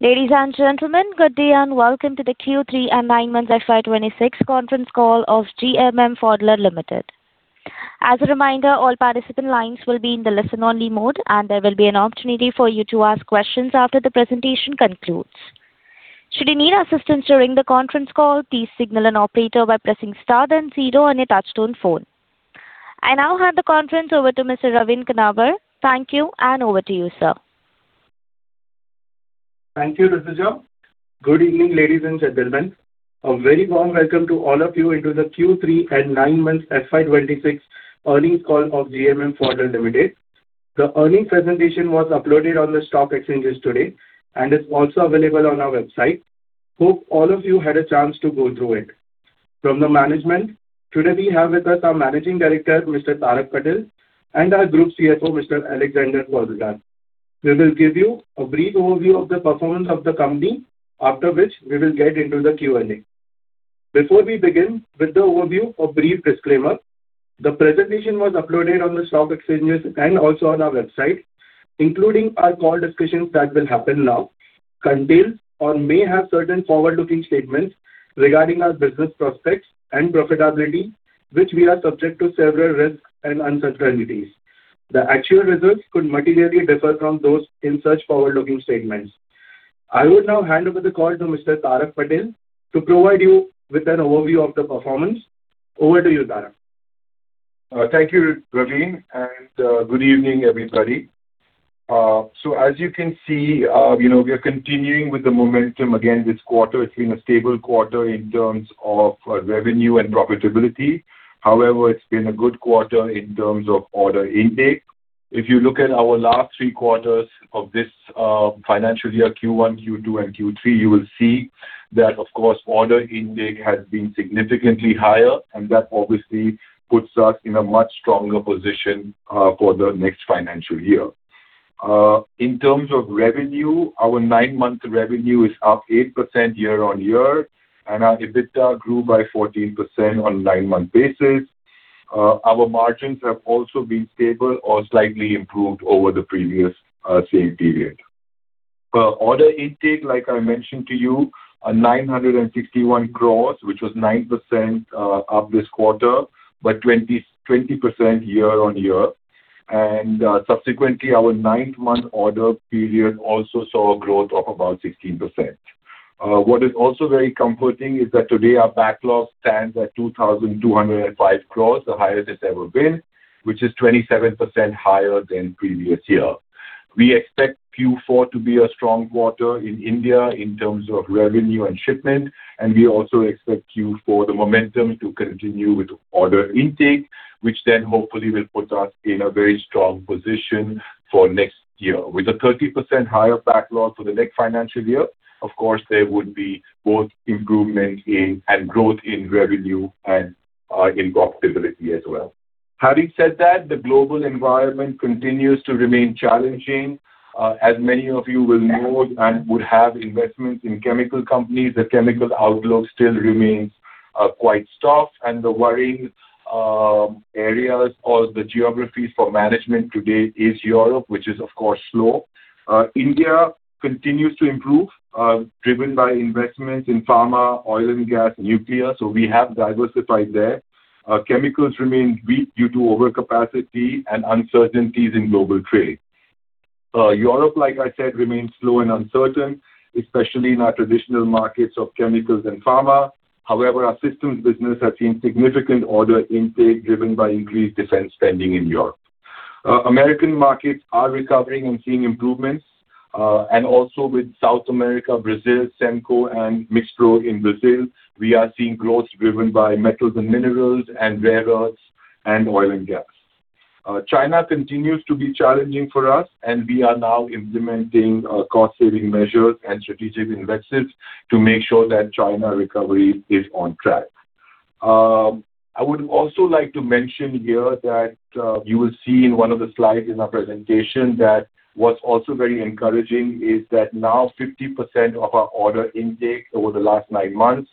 Ladies and gentlemen, good day and welcome to the Q3 and nine months FY 2026 conference call of GMM Pfaudler Ltd. As a reminder, all participant lines will be in the listen-only mode, and there will be an opportunity for you to ask questions after the presentation concludes. Should you need assistance during the conference call, please signal an operator by pressing star then zero on your touch-tone phone. I now hand the conference over to Mr. Raveen Kanabar. Thank you, and over to you, sir. Thank you, Dr. Jam. Good evening, ladies and gentlemen. A very warm welcome to all of you into the Q3 and nine months FY26 earnings call of GMM Pfaudler Ltd. The earnings presentation was uploaded on the stock exchanges today, and it's also available on our website. Hope all of you had a chance to go through it. From the management, today we have with us our Managing Director, Mr. Tarak Patel, and our Group CFO, Mr. Alexander Poempner. We will give you a brief overview of the performance of the company, after which we will get into the Q&A. Before we begin with the overview, a brief disclaimer: the presentation was uploaded on the stock exchanges and also on our website, including our call discussions that will happen now, contain or may have certain forward-looking statements regarding our business prospects and profitability, which we are subject to several risks and uncertainties. The actual results could materially differ from those in such forward-looking statements. I would now hand over the call to Mr. Tarak Patel to provide you with an overview of the performance. Over to you, Tarak. Thank you, Ravind, and good evening, everybody. So, as you can see, we are continuing with the momentum again this quarter. It's been a stable quarter in terms of revenue and profitability. However, it's been a good quarter in terms of order intake. If you look at our last three quarters of this financial year, Q1, Q2, and Q3, you will see that, of course, order intake has been significantly higher, and that obviously puts us in a much stronger position for the next financial year. In terms of revenue, our nine-month revenue is up 8% year-on-year, and our EBITDA grew by 14% on a nine-month basis. Our margins have also been stable or slightly improved over the previous same period. For order intake, like I mentioned to you, 961 crore, which was 9% up this quarter but 20% year-on-year. Subsequently, our 9-month order period also saw a growth of about 16%. What is also very comforting is that today our backlog stands at 2,205 crores, the highest it's ever been, which is 27% higher than previous year. We expect Q4 to be a strong quarter in India in terms of revenue and shipment, and we also expect Q4, the momentum, to continue with order intake, which then hopefully will put us in a very strong position for next year. With a 30% higher backlog for the next financial year, of course, there would be both improvement and growth in revenue and in profitability as well. Having said that, the global environment continues to remain challenging. As many of you will know and would have investments in chemical companies, the chemical outlook still remains quite tough, and the worrying areas or the geographies for management today is Europe, which is, of course, slow. India continues to improve, driven by investments in pharma, oil, and gas, and nuclear, so we have diversified there. Chemicals remain weak due to overcapacity and uncertainties in global trade. Europe, like I said, remains slow and uncertain, especially in our traditional markets of chemicals and pharma. However, our systems business has seen significant order intake driven by increased defense spending in Europe. American markets are recovering and seeing improvements. Also with South America, Brazil, Semco, and MixPro in Brazil, we are seeing growth driven by metals and minerals and rare earths and oil and gas. China continues to be challenging for us, and we are now implementing cost-saving measures and strategic investments to make sure that China recovery is on track. I would also like to mention here that you will see in one of the slides in our presentation that what's also very encouraging is that now 50% of our order intake over the last nine months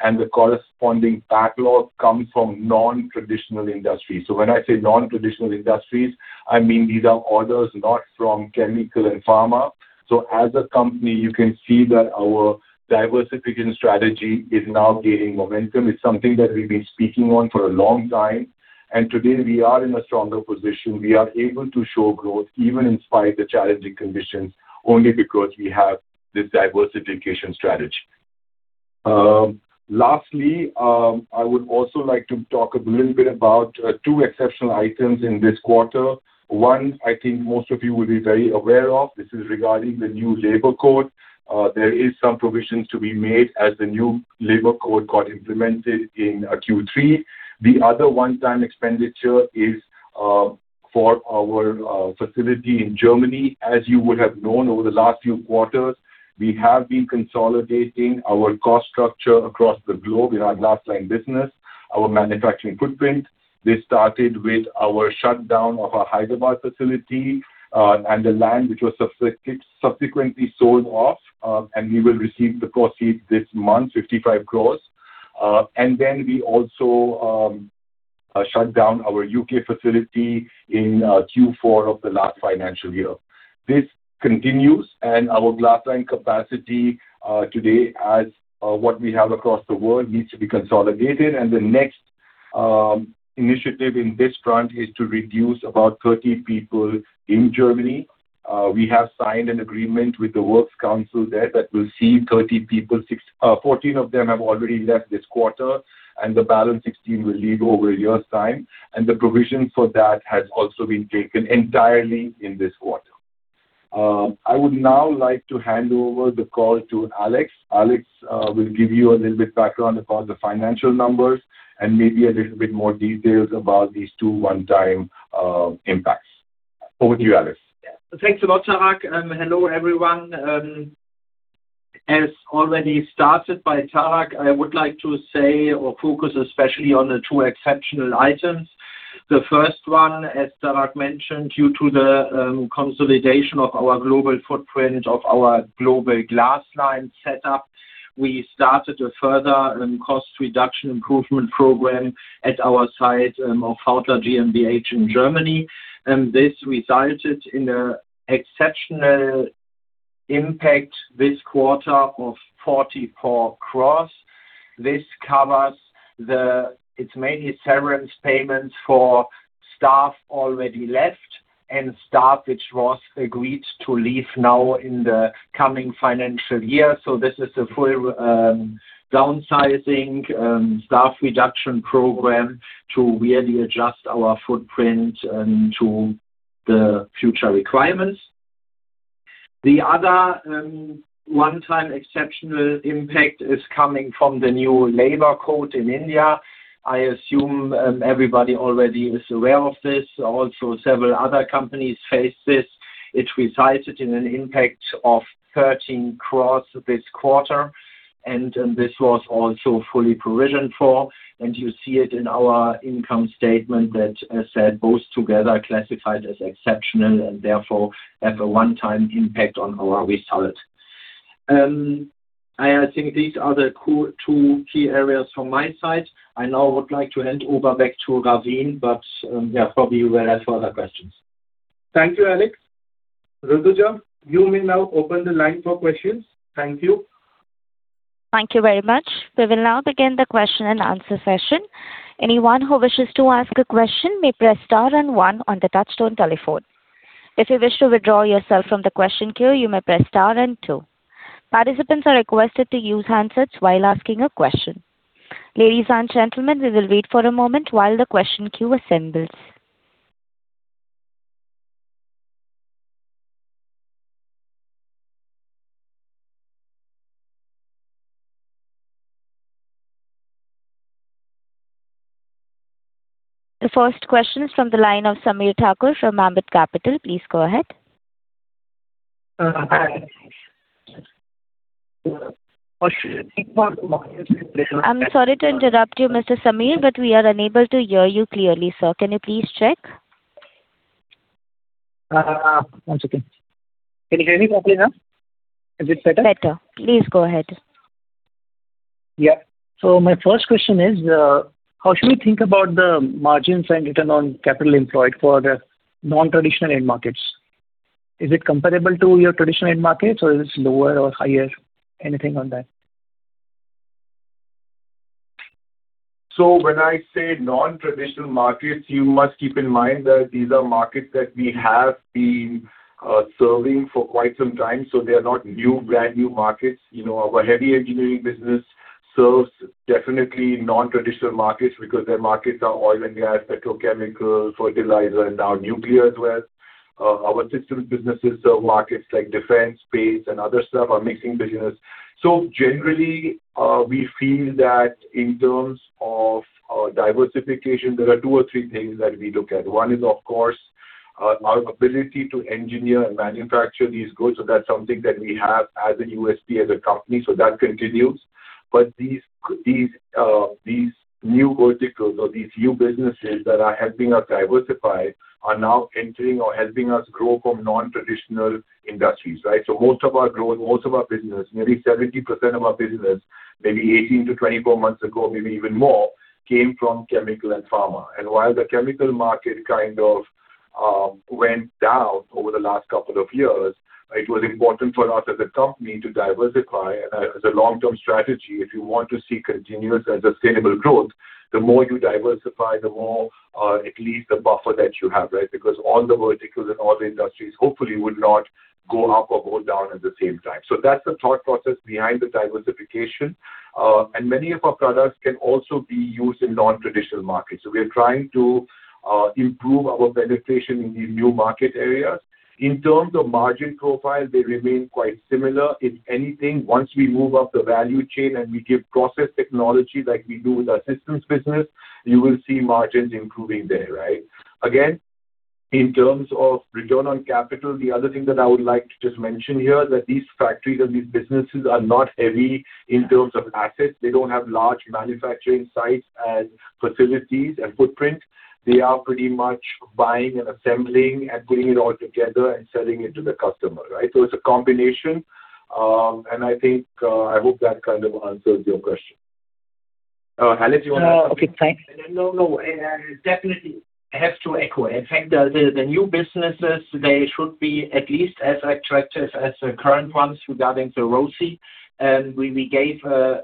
and the corresponding backlog comes from non-traditional industries. So when I say non-traditional industries, I mean these are orders not from chemical and pharma. So as a company, you can see that our diversification strategy is now gaining momentum. It's something that we've been speaking on for a long time, and today we are in a stronger position. We are able to show growth even in spite of the challenging conditions only because we have this diversification strategy. Lastly, I would also like to talk a little bit about two exceptional items in this quarter. One, I think most of you will be very aware of. This is regarding the new labor code. There are some provisions to be made as the new labor code got implemented in Q3. The other one-time expenditure is for our facility in Germany. As you would have known over the last few quarters, we have been consolidating our cost structure across the globe in our glass-lined business, our manufacturing footprint. This started with our shutdown of our Hyderabad facility and the land which was subsequently sold off, and we will receive the proceeds this month, 55 crore. Then we also shut down our U.K. facility in Q4 of the last financial year. This continues, and our glass-lined capacity today, as what we have across the world, needs to be consolidated. The next initiative in this front is to reduce about 30 people in Germany. We have signed an agreement with the works council there that will see 30 people. 14 of them have already left this quarter, and the balance 16 will leave over a year's time. The provision for that has also been taken entirely in this quarter. I would now like to hand over the call to Alex. Alex will give you a little bit of background about the financial numbers and maybe a little bit more details about these two one-time impacts. Over to you, Alex. Thanks a lot, Tarak. Hello, everyone. As already started by Tarak, I would like to say or focus especially on the two exceptional items. The first one, as Tarak mentioned, due to the consolidation of our global footprint, of our global glass-lined setup, we started a further cost reduction improvement program at our site of Pfaudler GmbH in Germany. This resulted in an exceptional impact this quarter of 44 crore. It's mainly severance payments for staff already left and staff which was agreed to leave now in the coming financial year. So this is a full downsizing staff reduction program to really adjust our footprint to the future requirements. The other one-time exceptional impact is coming from the new labor code in India. I assume everybody already is aware of this. Also, several other companies faced this. It resulted in an impact of 13 crore this quarter, and this was also fully provisioned for. And you see it in our income statement that said both together classified as exceptional and therefore have a one-time impact on our result. I think these are the two key areas from my side. I now would like to hand over back to Ravind, but yeah, probably you will have further questions. Thank you, Alex. Dr. Jam, you may now open the line for questions. Thank you. Thank you very much. We will now begin the question-and-answer session. Anyone who wishes to ask a question may press star and one on the touch-tone telephone. If you wish to withdraw yourself from the question queue, you may press star and two. Participants are requested to use handsets while asking a question. Ladies and gentlemen, we will wait for a moment while the question queue assembles. The first question is from the line of Sameer Thakur from Mammoth Capital. Please go ahead. I'm sorry to interrupt you, Mr. Sameer, but we are unable to hear you clearly, sir. Can you please check? One second. Can you hear me properly now? Is it better? Better. Please go ahead. Yeah. So my first question is, how should we think about the margins and return on capital employed for non-traditional end markets? Is it comparable to your traditional end markets, or is it lower or higher? Anything on that? So when I say non-traditional markets, you must keep in mind that these are markets that we have been serving for quite some time, so they are not new, brand-new markets. Our heavy engineering business serves definitely non-traditional markets because their markets are oil and gas, petrochemical, fertilizer, and now nuclear as well. Our systems businesses serve markets like defense, space, and other stuff. Our mixing business. So generally, we feel that in terms of diversification, there are two or three things that we look at. One is, of course, our ability to engineer and manufacture these goods. So that's something that we have as a USP as a company, so that continues. But these new verticals or these new businesses that are helping us diversify are now entering or helping us grow from non-traditional industries, right? So most of our growth, most of our business, nearly 70% of our business, maybe 18-24 months ago, maybe even more, came from chemical and pharma. And while the chemical market kind of went down over the last couple of years, it was important for us as a company to diversify. And as a long-term strategy, if you want to see continuous and sustainable growth, the more you diversify, the more at least the buffer that you have, right? Because all the verticals and all the industries, hopefully, would not go up or go down at the same time. So that's the thought process behind the diversification. And many of our products can also be used in non-traditional markets. So we are trying to improve our penetration in these new market areas. In terms of margin profile, they remain quite similar. If anything, once we move up the value chain and we give process technology like we do with our systems business, you will see margins improving there, right? Again, in terms of return on capital, the other thing that I would like to just mention here is that these factories and these businesses are not heavy in terms of assets. They don't have large manufacturing sites as facilities and footprint. They are pretty much buying and assembling and putting it all together and selling it to the customer, right? So it's a combination. And I hope that kind of answers your question. Alex, you want to ask something? No, okay. Thanks. No, no. Definitely. I have to echo it. In fact, the new businesses, they should be at least as attractive as the current ones regarding the ROCE. We gave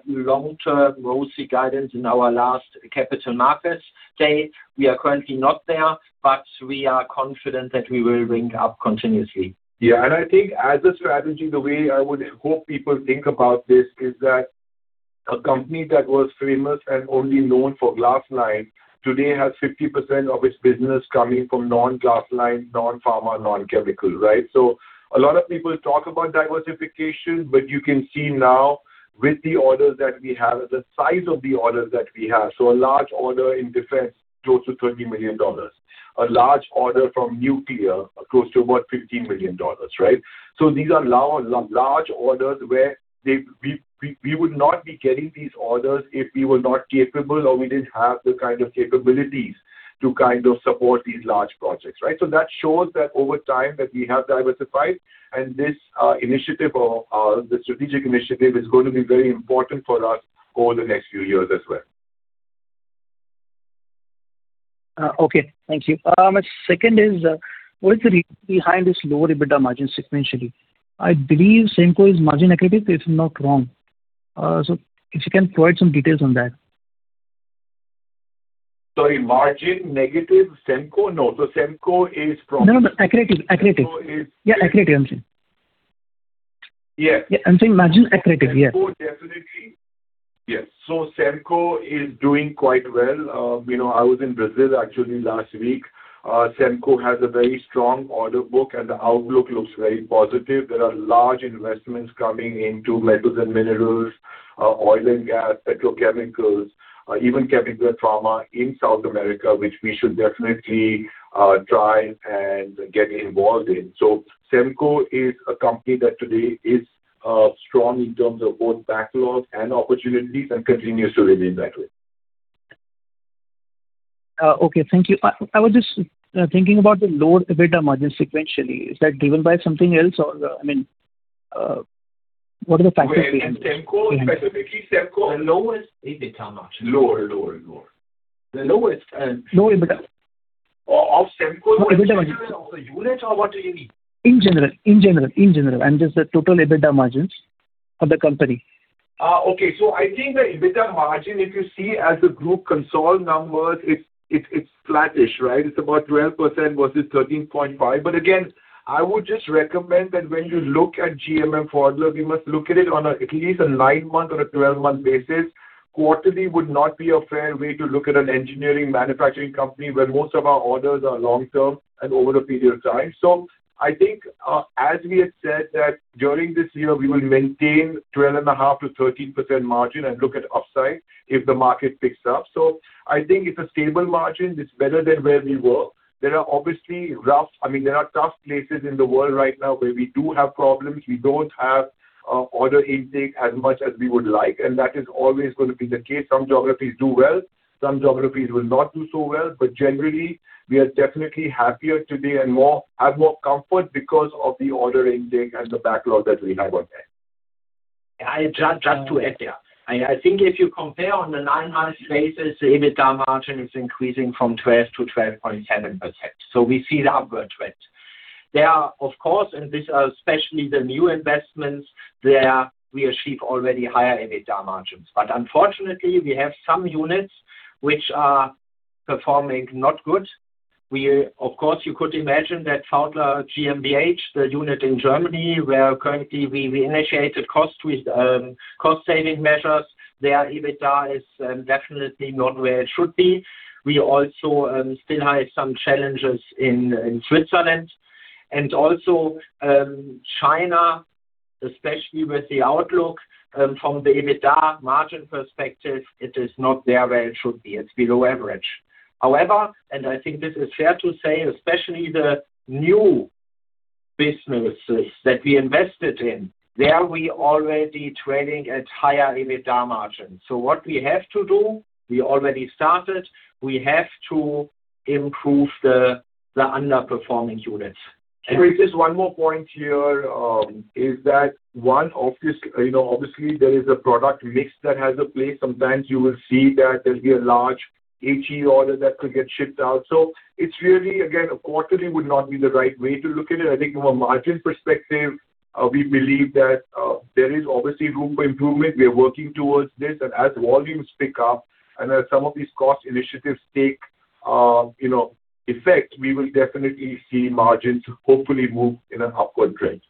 long-term ROCE guidance in our last capital markets day. We are currently not there, but we are confident that we will ring up continuously. Yeah. And I think as a strategy, the way I would hope people think about this is that a company that was famous and only known for glass-lined today has 50% of its business coming from non-glass-lined, non-pharma, non-chemical, right? So a lot of people talk about diversification, but you can see now with the orders that we have and the size of the orders that we have. So a large order in defense, close to $30 million. A large order from nuclear, close to about $15 million, right? So these are large orders where we would not be getting these orders if we were not capable or we didn't have the kind of capabilities to kind of support these large projects, right? That shows that over time that we have diversified, and this initiative or the strategic initiative is going to be very important for us over the next few years as well. Okay. Thank you. Second is, what is the reason behind this lower EBITDA margin sequentially? I believe SEMCO is margin accretive, if I'm not wrong. So if you can provide some details on that. Sorry. Margin negative Semco? No. So Semco is from. No, no, no. Accretive. Accretive. Yeah. Accretive. I'm saying. Yes. Yeah. I'm saying margin accretive. Yes. Semco, definitely. Yes. So Semco is doing quite well. I was in Brazil, actually, last week. Semco has a very strong order book, and the outlook looks very positive. There are large investments coming into metals and minerals, oil and gas, petrochemicals, even chemical and pharma in South America, which we should definitely try and get involved in. So Semco is a company that today is strong in terms of both backlog and opportunities and continues to remain that way. Okay. Thank you. I was just thinking about the lower EBITDA margin sequentially. Is that driven by something else, or? I mean, what are the factors behind that? SEMCO, specifically, SEMCO. The lowest EBITDA margin? Lower, lower, lower. The lowest. Lower EBITDA? Of CEMCO, what do you mean? EBITDA margin. Of the unit, or what do you mean? In general, just the total EBITDA margins for the company. Okay. So I think the EBITDA margin, if you see as the group consolidated numbers, it's flat-ish, right? It's about 12% versus 13.5%. But again, I would just recommend that when you look at GMM Pfaudler, we must look at it on at least a nine-month or a 12-month basis. Quarterly would not be a fair way to look at an engineering manufacturing company where most of our orders are long-term and over a period of time. So I think, as we had said, that during this year, we will maintain 12.5%-13% margin and look at upside if the market picks up. So I think it's a stable margin. It's better than where we were. There are obviously rough I mean, there are tough places in the world right now where we do have problems. We don't have order intake as much as we would like, and that is always going to be the case. Some geographies do well. Some geographies will not do so well. But generally, we are definitely happier today and have more comfort because of the order intake and the backlog that we have on there. Just to add there, I think if you compare on a 9-month basis, the EBITDA margin is increasing from 12%-12.7%. So we see the upward trend. There are, of course, and these are especially the new investments, where we achieve already higher EBITDA margins. But unfortunately, we have some units which are performing not good. Of course, you could imagine that Pfaudler GmbH, the unit in Germany where currently we initiated cost-saving measures, their EBITDA is definitely not where it should be. We also still have some challenges in Switzerland. Also, China, especially with the outlook from the EBITDA margin perspective, it is not there where it should be. It's below average. However, and I think this is fair to say, especially the new businesses that we invested in, there we are already trading at higher EBITDA margins. What we have to do, we already started, we have to improve the underperforming units. And just one more point here is that one of these obviously, there is a product mix that has a place. Sometimes you will see that there'll be a large HE order that could get shipped out. So it's really, again, quarterly would not be the right way to look at it. I think from a margin perspective, we believe that there is obviously room for improvement. We are working towards this. And as volumes pick up and as some of these cost initiatives take effect, we will definitely see margins hopefully move in an upward trend.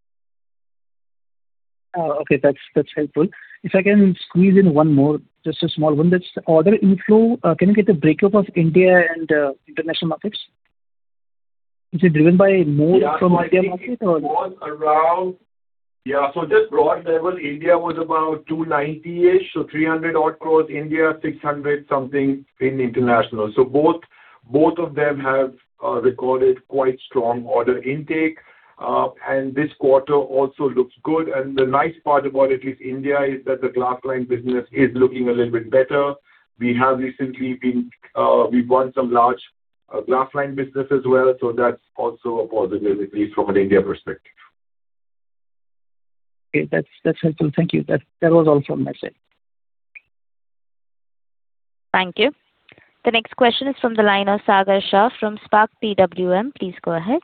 Okay. That's helpful. If I can squeeze in one more, just a small one. That's order inflow. Can you get the breakup of India and international markets? Is it driven by more from India market, or? Yeah. It was around yeah. So just broad level, India was about 290-ish, so 300-odd crores. India, 600-something in international. So both of them have recorded quite strong order intake. And this quarter also looks good. And the nice part about it, at least India, is that the glass-lined business is looking a little bit better. We have recently we've won some large glass-lined business as well. So that's also a positive, at least from an India perspective. Okay. That's helpful. Thank you. That was all from myself. Thank you. The next question is from the line of Sagar Shah from SPARK PWM. Please go ahead.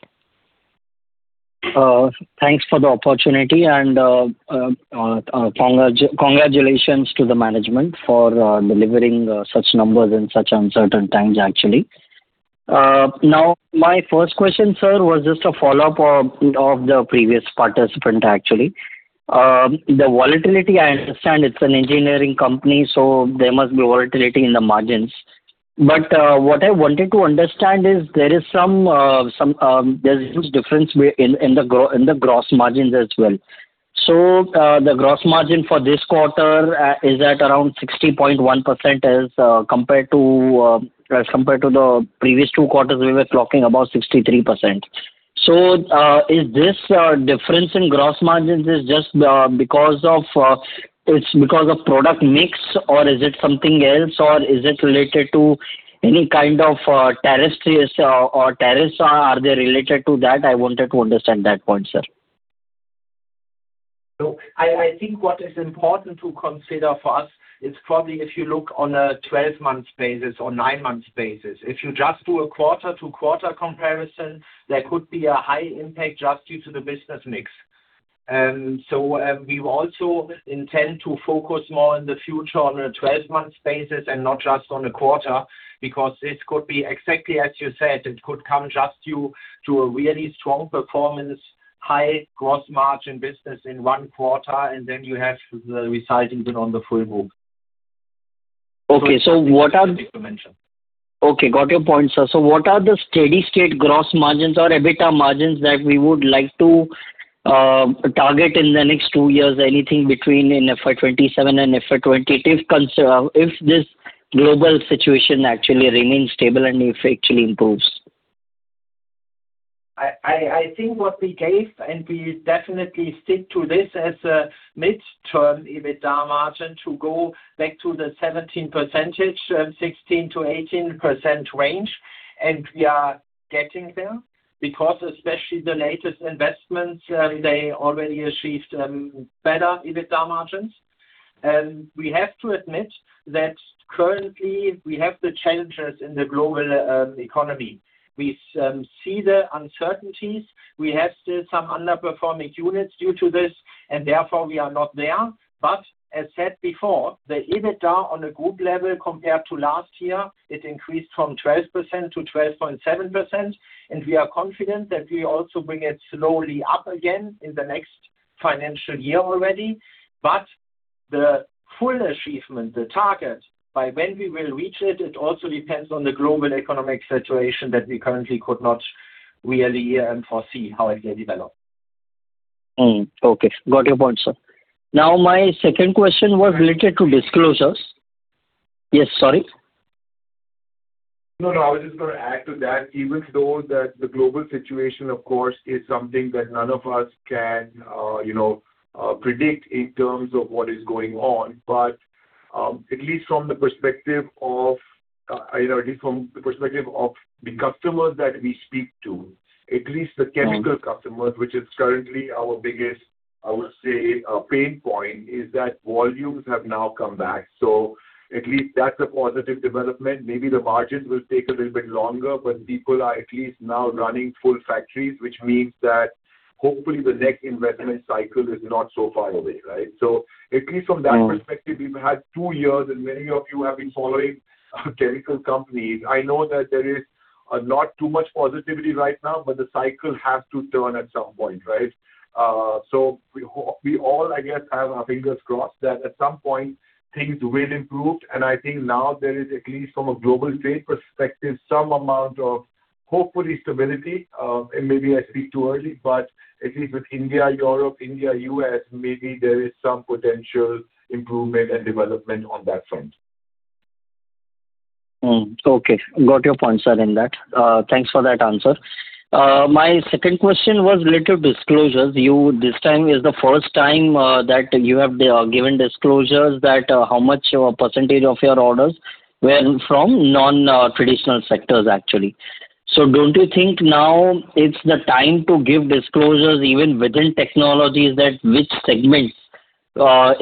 Thanks for the opportunity. Congratulations to the management for delivering such numbers in such uncertain times, actually. Now, my first question, sir, was just a follow-up of the previous participant, actually. The volatility, I understand it's an engineering company, so there must be volatility in the margins. But what I wanted to understand is there is a huge difference in the gross margins as well. So the gross margin for this quarter is at around 60.1% as compared to the previous two quarters, we were clocking about 63%. So is this difference in gross margins just because of product mix, or is it something else, or is it related to any kind of tariffs? Are they related to that? I wanted to understand that point, sir. So I think what is important to consider for us is probably if you look on a 12-month basis or 9-month basis. If you just do a quarter-to-quarter comparison, there could be a high impact just due to the business mix. So we also intend to focus more in the future on a 12-month basis and not just on a quarter because this could be exactly as you said. It could come just to a really strong performance, high gross margin business in one quarter, and then you have the result even on the full book. Okay. So what are... I think you mentioned. Okay. Got your point, sir. So what are the steady-state gross margins or EBITDA margins that we would like to target in the next two years, anything between in FY27 and FY28 if this global situation actually remains stable and if it actually improves? I think what we gave, and we definitely stick to this as a mid-term EBITDA margin to go back to the 17%, 16%-18% range. We are getting there because especially the latest investments, they already achieved better EBITDA margins. We have to admit that currently, we have the challenges in the global economy. We see the uncertainties. We have still some underperforming units due to this, and therefore, we are not there. But as said before, the EBITDA on a group level compared to last year, it increased from 12%-12.7%. We are confident that we also bring it slowly up again in the next financial year already. But the full achievement, the target by when we will reach it, it also depends on the global economic situation that we currently could not really foresee how it will develop. Okay. Got your point, sir. Now, my second question was related to disclosures. Yes. Sorry. No, no. I was just going to add to that, even though that the global situation, of course, is something that none of us can predict in terms of what is going on. But at least from the perspective of at least from the perspective of the customers that we speak to, at least the chemical customers, which is currently our biggest, I would say, pain point, is that volumes have now come back. So at least that's a positive development. Maybe the margins will take a little bit longer, but people are at least now running full factories, which means that hopefully, the next investment cycle is not so far away, right? So at least from that perspective, we've had two years, and many of you have been following chemical companies. I know that there is not too much positivity right now, but the cycle has to turn at some point, right? So we all, I guess, have our fingers crossed that at some point, things will improve. And I think now there is at least from a global trade perspective, some amount of hopefully stability. And maybe I speak too early, but at least with India, Europe, India, US, maybe there is some potential improvement and development on that front. Okay. Got your point, sir, in that. Thanks for that answer. My second question was related to disclosures. This time, is the first time that you have given disclosures that how much % of your orders were from non-traditional sectors, actually? So don't you think now it's the time to give disclosures even within technologies, which segments?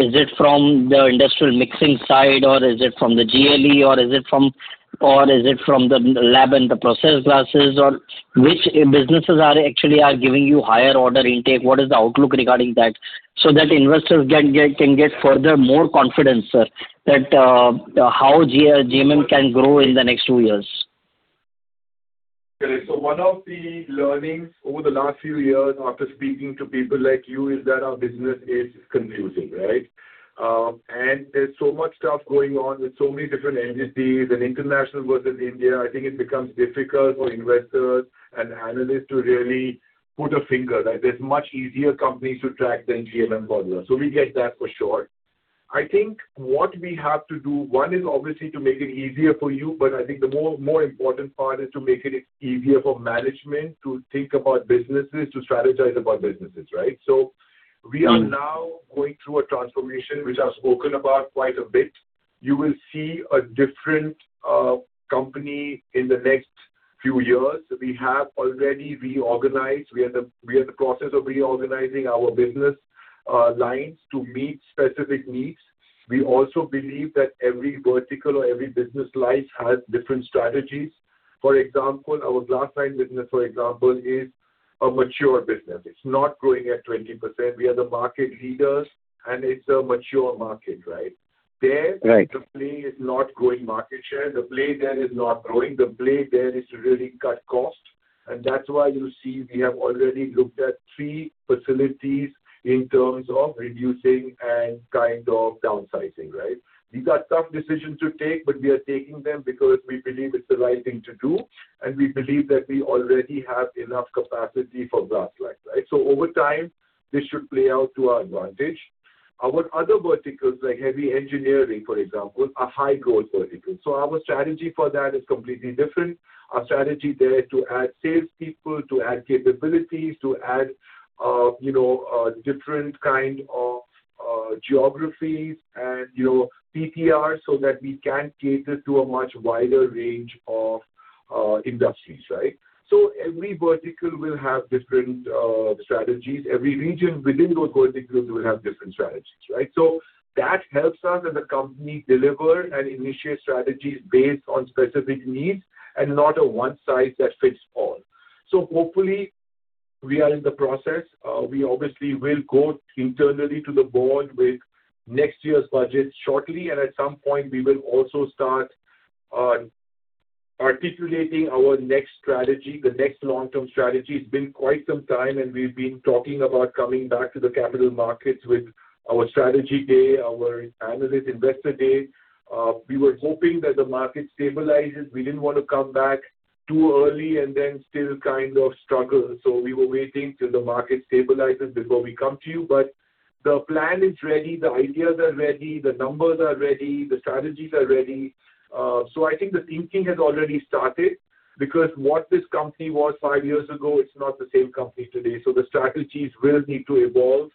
Is it from the industrial mixing side, or is it from the GLE, or is it from or is it from the lab and the process glasses, or which businesses actually are giving you higher order intake? What is the outlook regarding that so that investors can get further more confidence, sir, that how GMM can grow in the next two years? Okay. So one of the learnings over the last few years after speaking to people like you is that our business is confusing, right? And there's so much stuff going on with so many different entities and international versus India. I think it becomes difficult for investors and analysts to really put a finger, right? There's much easier companies to track than GMM Pfaudler. So we get that for sure. I think what we have to do, one is obviously to make it easier for you, but I think the more important part is to make it easier for management to think about businesses, to strategize about businesses, right? So we are now going through a transformation, which I've spoken about quite a bit. You will see a different company in the next few years. We have already reorganized. We are in the process of reorganizing our business lines to meet specific needs. We also believe that every vertical or every business line has different strategies. For example, our glass-lined business, for example, is a mature business. It's not growing at 20%. We are the market leaders, and it's a mature market, right? The play is not growing market share. The play there is not growing. The play there is to really cut cost. And that's why you see we have already looked at three facilities in terms of reducing and kind of downsizing, right? These are tough decisions to take, but we are taking them because we believe it's the right thing to do, and we believe that we already have enough capacity for glass-lined, right? So over time, this should play out to our advantage. Our other verticals, like heavy engineering, for example, are high-growth verticals. Our strategy for that is completely different. Our strategy there is to add salespeople, to add capabilities, to add different kinds of geographies and PTRs so that we can cater to a much wider range of industries, right? Every vertical will have different strategies. Every region within those verticals will have different strategies, right? That helps us as a company deliver and initiate strategies based on specific needs and not a one-size-fits-all. Hopefully, we are in the process. We obviously will go internally to the board with next year's budget shortly. And at some point, we will also start articulating our next strategy, the next long-term strategy. It's been quite some time, and we've been talking about coming back to the capital markets with our strategy day, our analyst investor day. We were hoping that the market stabilizes. We didn't want to come back too early and then still kind of struggle. So we were waiting till the market stabilizes before we come to you. But the plan is ready. The ideas are ready. The numbers are ready. The strategies are ready. So I think the thinking has already started because what this company was five years ago, it's not the same company today. So the strategies will need to evolve.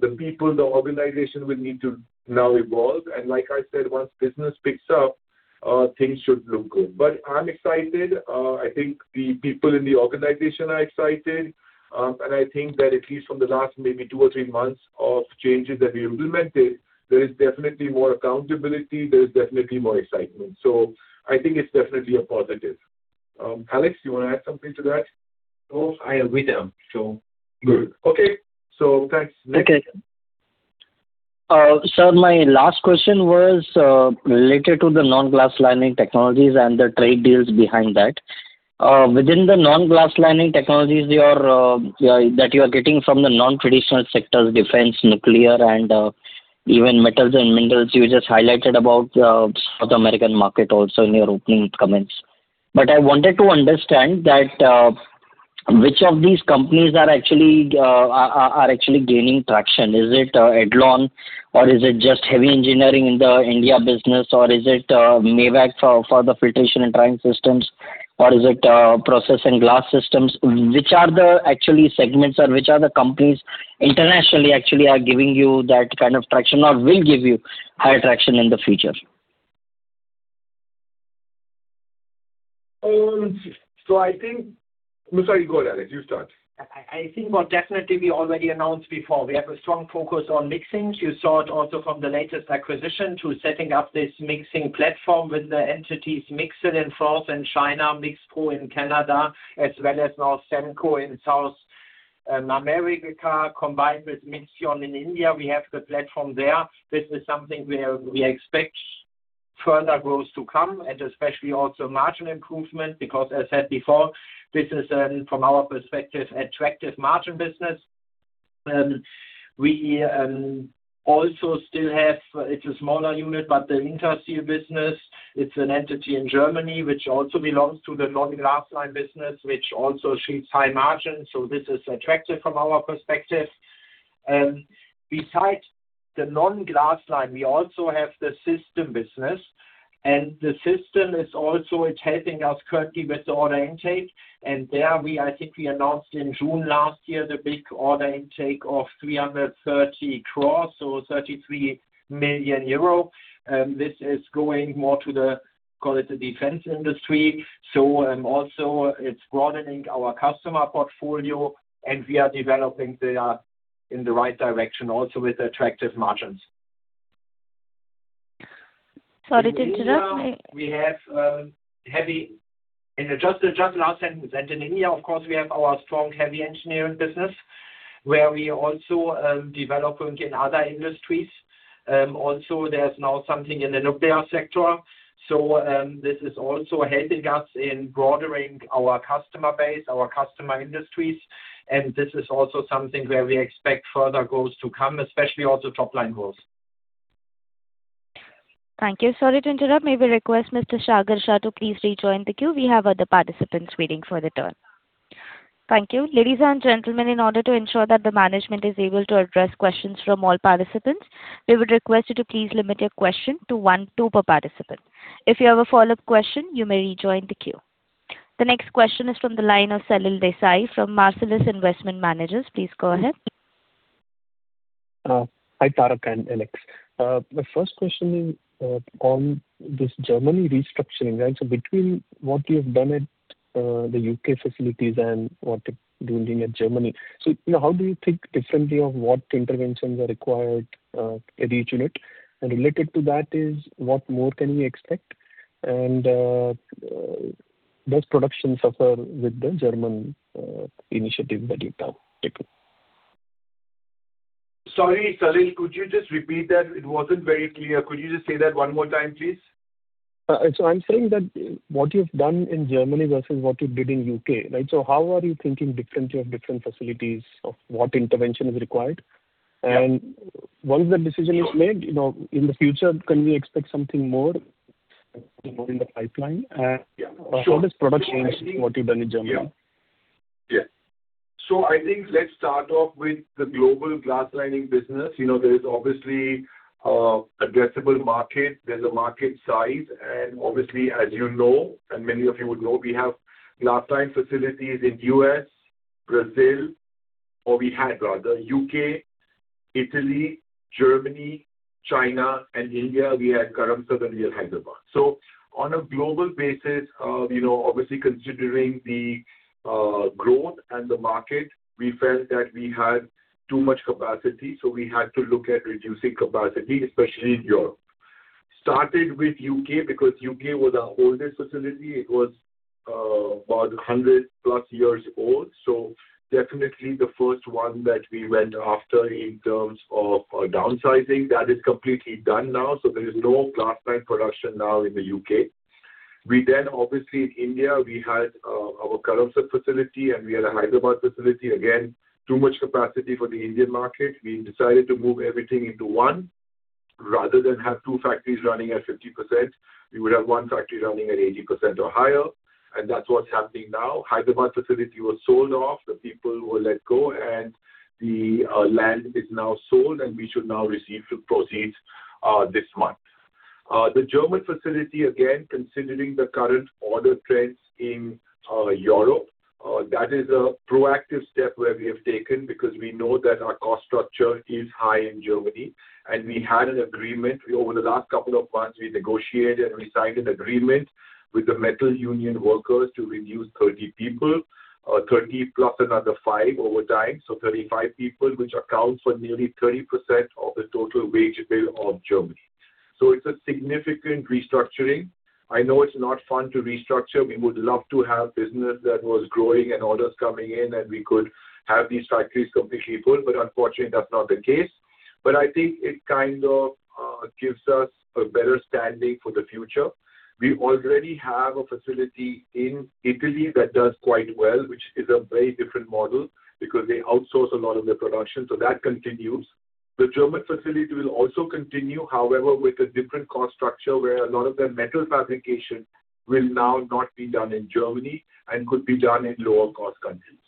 The people, the organization will need to now evolve. And like I said, once business picks up, things should look good. But I'm excited. I think the people in the organization are excited. And I think that at least from the last maybe two or three months of changes that we implemented, there is definitely more accountability. There is definitely more excitement. So I think it's definitely a positive. Alex, you want to add something to that? Oh, I agree there. Sure. Good. Okay. So thanks. Okay. Sir, my last question was related to the non-glass-lining technologies and the trade deals behind that. Within the non-glass-lining technologies that you are getting from the non-traditional sectors, defense, nuclear, and even metals and minerals, you just highlighted about the South American market also in your opening comments. I wanted to understand which of these companies are actually gaining traction. Is it Edlon, or is it just heavy engineering in the India business, or is it Mavag for the filtration and drying systems, or is it process and glass systems? Which are the actually segments, or which are the companies internationally actually are giving you that kind of traction or will give you higher traction in the future? So, I think, sorry. Go ahead, Alex. You start. I think what definitely we already announced before, we have a strong focus on mixing. You saw it also from the latest acquisition to setting up this mixing platform with the entities Mixel in France and China, Mixpro in Canada, as well as now Semco in South America, combined with Mixion in India. We have the platform there. This is something where we expect further growth to come and especially also margin improvement because, as said before, this is, from our perspective, an attractive margin business. We also still have; it's a smaller unit, but the Interseal business, it's an entity in Germany which also belongs to the non-glass-lined business, which also achieves high margins. So this is attractive from our perspective. Besides the non-glass-lined, we also have the system business. The system is also helping us currently with the order intake. There, I think we announced in June last year the big order intake of 330 crore, so 33 million euro. This is going more to the call it the defense industry. Also, it's broadening our customer portfolio, and we are developing there in the right direction also with attractive margins. Sorry to interrupt me. We have heavy and just last sentence. In India, of course, we have our strong heavy engineering business where we also develop in other industries. Also, there's now something in the nuclear sector. This is also helping us in broadening our customer base, our customer industries. This is also something where we expect further growth to come, especially also top-line growth. Thank you. Sorry to interrupt. May we request Mr. Sagar Shah to please rejoin the queue? We have other participants waiting for the turn. Thank you. Ladies and gentlemen, in order to ensure that the management is able to address questions from all participants, we would request you to please limit your question to one per participant. If you have a follow-up question, you may rejoin the queue. The next question is from the line of Salil Desai from Marcellus Investment Managers. Please go ahead. Hi, Tarak and Alex. My first question is on this Germany restructuring, right? So between what we have done at the UK facilities and what we're doing at Germany, so how do you think differently of what interventions are required at each unit? And related to that is, what more can we expect? And does production suffer with the German initiative that you've now taken? Sorry, Salil, could you just repeat that? It wasn't very clear. Could you just say that one more time, please? So I'm saying that what you've done in Germany versus what you did in U.K., right? So how are you thinking differently of different facilities, of what intervention is required? And once that decision is made, in the future, can we expect something more in the pipeline? And how does product change what you've done in Germany? Yeah. So I think let's start off with the global glass-lining business. There is obviously an addressable market. There's a market size. And obviously, as you know, and many of you would know, we have glass-lined facilities in the U.S., Brazil, or we had, rather, U.K., Italy, Germany, China, and India. We had Karamsad and our Hyderabad. So on a global basis, obviously, considering the growth and the market, we felt that we had too much capacity. So we had to look at reducing capacity, especially in Europe. Started with U.K. because U.K. was our oldest facility. It was about 100+ years old. So definitely, the first one that we went after in terms of downsizing, that is completely done now. So there is no glass-lined production now in the U.K. Then, obviously, in India, we had our Karamsad facility, and we had a Hyderabad facility. Again, too much capacity for the Indian market. We decided to move everything into one. Rather than have two factories running at 50%, we would have one factory running at 80% or higher. That's what's happening now. The Hyderabad facility was sold off. The people were let go, and the land is now sold, and we should now receive proceeds this month. The German facility, again, considering the current order trends in Europe, that is a proactive step where we have taken because we know that our cost structure is high in Germany. We had an agreement. Over the last couple of months, we negotiated, and we signed an agreement with the metal union workers to reduce 30 people, 30 plus another 5 over time, so 35 people, which account for nearly 30% of the total wage bill of Germany. It's a significant restructuring. I know it's not fun to restructure. We would love to have business that was growing and orders coming in, and we could have these factories completely full. But unfortunately, that's not the case. But I think it kind of gives us a better standing for the future. We already have a facility in Italy that does quite well, which is a very different model because they outsource a lot of their production. So that continues. The German facility will also continue, however, with a different cost structure where a lot of the metal fabrication will now not be done in Germany and could be done in lower-cost countries.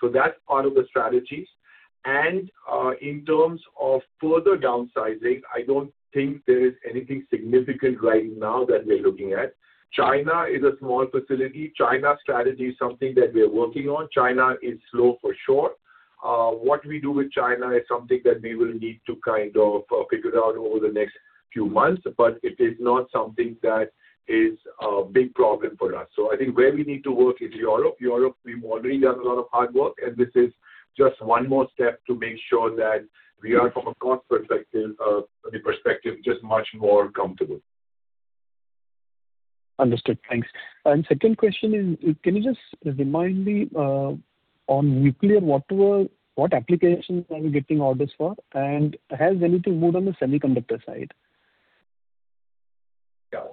So that's part of the strategies. And in terms of further downsizing, I don't think there is anything significant right now that we're looking at. China is a small facility. China strategy is something that we're working on. China is slow for sure. What we do with China is something that we will need to kind of figure out over the next few months, but it is not something that is a big problem for us. I think where we need to work is Europe. Europe, we've already done a lot of hard work, and this is just one more step to make sure that we are, from a cost perspective, just much more comfortable. Understood. Thanks. Second question is, can you just remind me on nuclear, what applications are we getting orders for? And has anything moved on the semiconductor side? Yeah.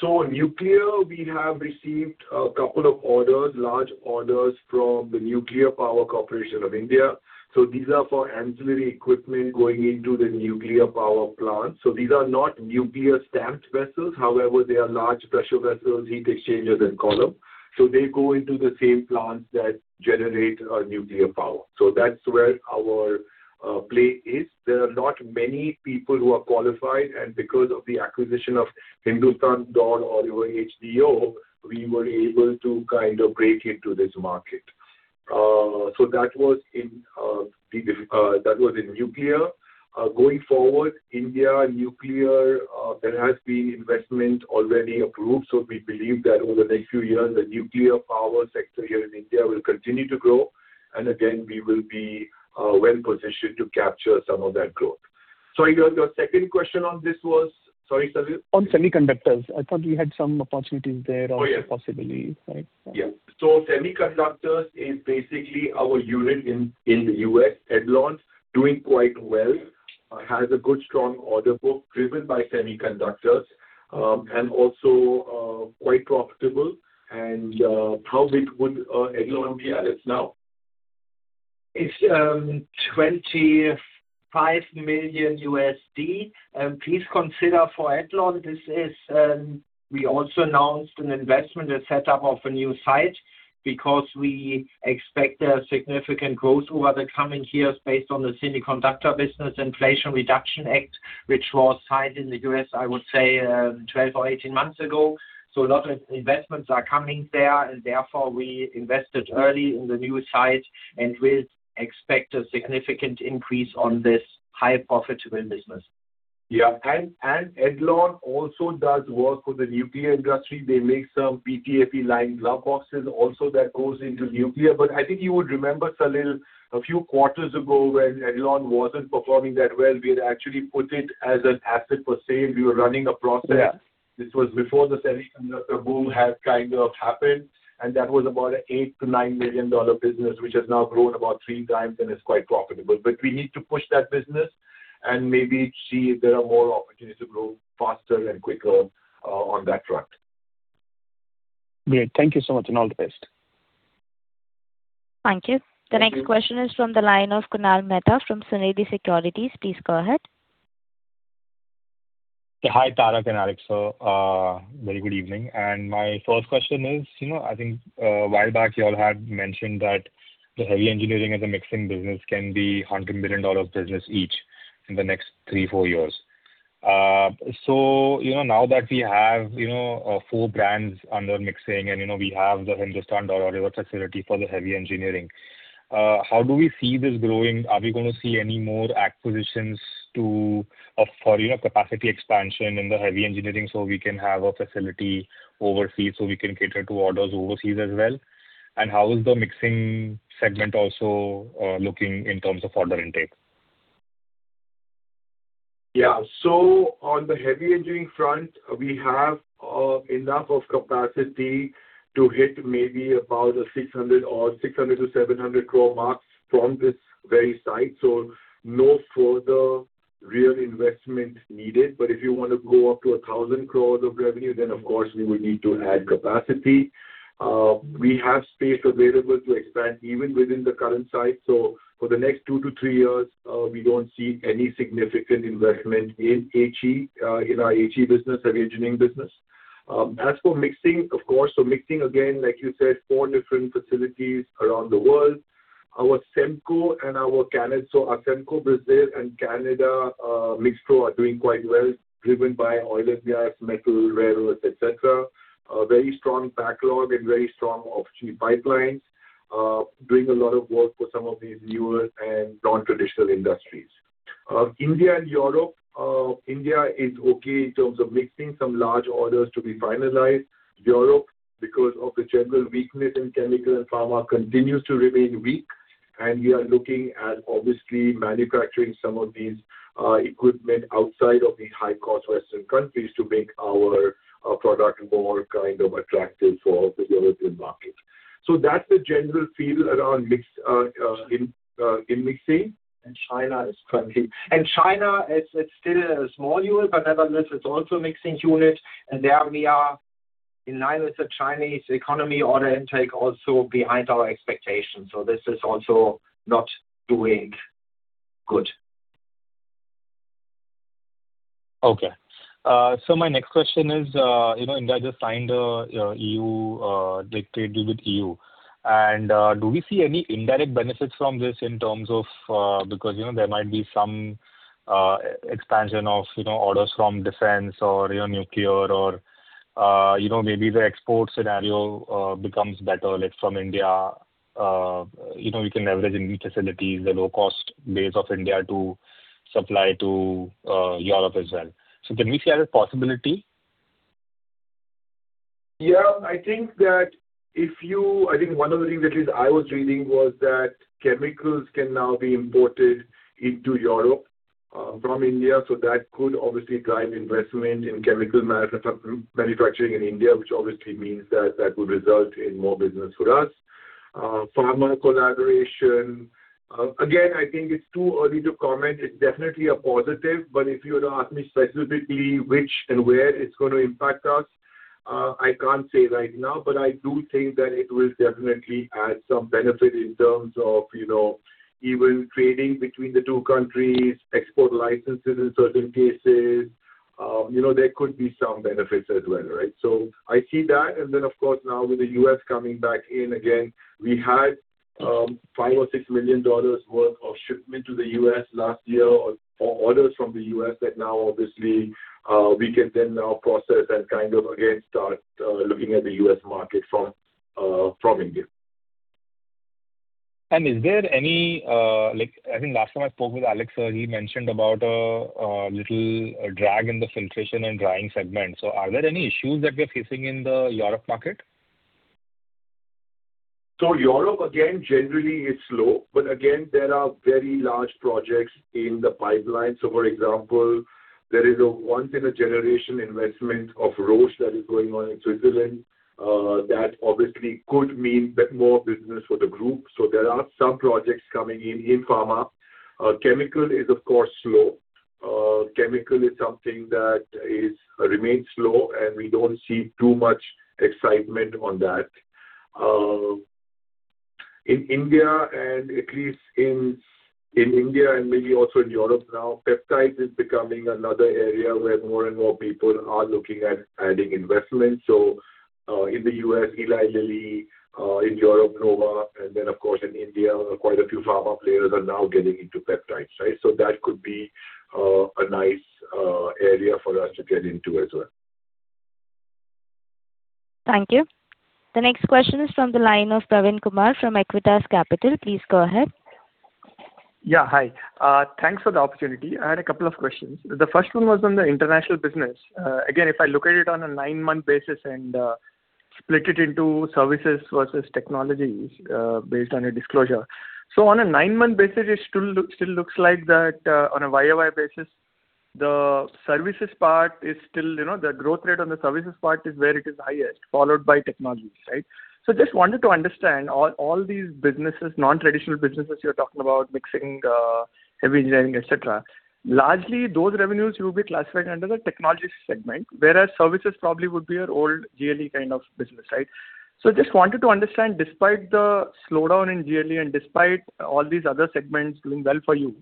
So, nuclear, we have received a couple of large orders from the Nuclear Power Corporation of India. So these are for ancillary equipment going into the nuclear power plants. So these are not nuclear-stamped vessels. However, they are large pressure vessels, heat exchangers, and columns. So they go into the same plants that generate nuclear power. So that's where our play is. There are not many people who are qualified. And because of the acquisition of Hindustan Dorr-Oliver or HDO, we were able to kind of break into this market. So that was in nuclear. Going forward, in India, nuclear, there has been investment already approved. So we believe that over the next few years, the nuclear power sector here in India will continue to grow. And again, we will be well-positioned to capture some of that growth. So I heard your second question on this was sorry, Selil? On semiconductors. I thought we had some opportunities there of the possibilities, right? Oh, yeah. Yeah. So semiconductors is basically our unit in the US, Edlon, doing quite well. It has a good, strong order book driven by semiconductors and also quite profitable. And how big would Edlon be, Alex, now? It's $25 million. Please consider for Edlon, this is we also announced an investment, a setup of a new site because we expect a significant growth over the coming years based on the Semiconductor Business Inflation Reduction Act, which was signed in the US, I would say, 12 or 18 months ago. So a lot of investments are coming there. And therefore, we invested early in the new site and will expect a significant increase on this high-profitable business. Yeah. Edlon also does work for the nuclear industry. They make some PTFE-lined gloveboxes also that goes into nuclear. But I think you would remember, Salil, a few quarters ago when Edlon wasn't performing that well, we had actually put it as an asset for sale. We were running a process. This was before the semiconductor boom had kind of happened. And that was about an $8-$9 million business, which has now grown about three times and is quite profitable. But we need to push that business and maybe see if there are more opportunities to grow faster and quicker on that front. Great. Thank you so much, and all the best. Thank you. The next question is from the line of Kunal Mehta from Sunidhi Securities. Please go ahead. Hi, Tarak and Alex. So very good evening. My first question is, I think a while back, you all had mentioned that the heavy engineering as a mixing business can be $100 million business each in the next 3-4 years. So now that we have four brands under mixing, and we have the Hindustan DOR facility for the heavy engineering, how do we see this growing? Are we going to see any more acquisitions for capacity expansion in the heavy engineering so we can have a facility overseas so we can cater to orders overseas as well? And how is the mixing segment also looking in terms of order intake? Yeah. So on the heavy engineering front, we have enough of capacity to hit maybe about 600 or 600-700 crore mark from this very site. So no further real investment needed. But if you want to go up to 1,000 crores of revenue, then, of course, we would need to add capacity. We have space available to expand even within the current site. So for the next 2-3 years, we don't see any significant investment in our HE business, heavy engineering business. As for mixing, of course, so mixing, again, like you said, 4 different facilities around the world. Our Semco and our Canada so our Semco, Brazil, and Canada, Mixpro are doing quite well driven by oil and gas, metal, railroads, etc., very strong backlog and very strong opportunity pipelines, doing a lot of work for some of these newer and non-traditional industries. India and Europe, India is okay in terms of mixing, some large orders to be finalized. Europe, because of the general weakness in chemical and pharma, continues to remain weak. And we are looking at, obviously, manufacturing some of this equipment outside of the high-cost Western countries to make our product more kind of attractive for the European market. So that's the general feel around in mixing. And China, it's still a small unit, but nevertheless, it's also a mixing unit. There, we are in line with the Chinese economy. Order intake also behind our expectations. This is also not doing good. Okay. My next question is, India just signed a trade deal with the EU. Do we see any indirect benefits from this in terms of because there might be some expansion of orders from defense or nuclear, or maybe the export scenario becomes better from India? You can leverage Indian facilities, the low-cost base of India to supply to Europe as well. Can we see that as a possibility? Yeah. I think that I think one of the things at least I was reading was that chemicals can now be imported into Europe from India. So that could obviously drive investment in chemical manufacturing in India, which obviously means that that would result in more business for us. Pharma collaboration, again, I think it's too early to comment. It's definitely a positive. But if you were to ask me specifically which and where it's going to impact us, I can't say right now. But I do think that it will definitely add some benefit in terms of even trading between the two countries, export licenses in certain cases. There could be some benefits as well, right? So I see that. Then, of course, now with the U.S. coming back in, again, we had $5 or $6 million worth of shipment to the U.S. last year or orders from the U.S. that now, obviously, we can then now process and kind of, again, start looking at the U.S. market from India. Is there any? I think last time I spoke with Alex, he mentioned about a little drag in the filtration and drying segment. So are there any issues that we're facing in the Europe market? So Europe, again, generally, is slow. But again, there are very large projects in the pipeline. So, for example, there is a once-in-a-generation investment of Roche that is going on in Switzerland that obviously could mean more business for the group. So there are some projects coming in in pharma. Chemical is, of course, slow. Chemical is something that remains slow, and we don't see too much excitement on that. In India, and at least in India and maybe also in Europe now, peptides is becoming another area where more and more people are looking at adding investment. So in the US, Eli Lilly, in Europe, Novo, and then, of course, in India, quite a few pharma players are now getting into peptides, right? So that could be a nice area for us to get into as well. Thank you. The next question is from the line of Praveen Kumar from Equitas Capital. Please go ahead. Yeah. Hi. Thanks for the opportunity. I had a couple of questions. The first one was on the international business. Again, if I look at it on a nine-month basis and split it into services versus technologies based on your disclosure, so on a nine-month basis, it still looks like that on a YOY basis, the services part is still the growth rate on the services part is where it is highest, followed by technologies, right? So just wanted to understand all these businesses, non-traditional businesses you're talking about, mixing, heavy engineering, etc., largely, those revenues will be classified under the technologies segment, whereas services probably would be your old GLE kind of business, right? Just wanted to understand, despite the slowdown in GLE and despite all these other segments doing well for you,